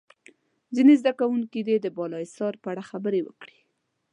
ځینې زده کوونکي دې د بالا حصار په اړه خبرې وکړي.